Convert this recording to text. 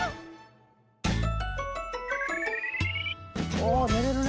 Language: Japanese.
お寝れるね。